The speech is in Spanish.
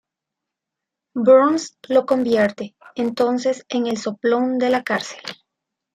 Burns lo convierte, entonces, en el soplón de la cárcel.